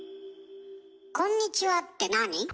こんにちはってなに？